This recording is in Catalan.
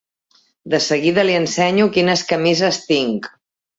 De seguida li ensenyo quines camises tinc.